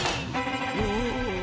『おお』。